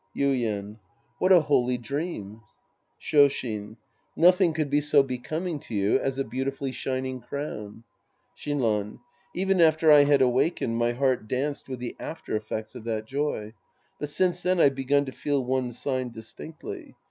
Yuien. What a holy dream ! 230 The Priest and His Disciples Act VI Shoshin. Nothing could be so becoming to you as a beautifully shining crown. Shinran. Even after I had awakened, my heart danced with the after effects of that joy. But since then I've begun to feel one sign distinctly.